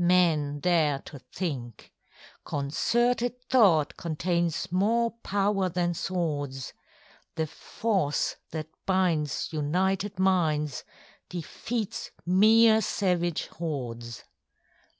Men dare to think. Concerted thought Contains more power than swords: The force that binds united minds Defeats mere savage hordes.